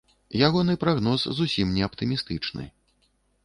Ягоны прагноз зусім не аптымістычны.